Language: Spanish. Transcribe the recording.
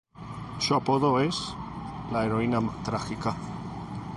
Su apodo es "La heroína trágica".